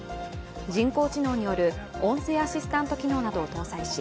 人工知能による音声アシスタント機能などを搭載し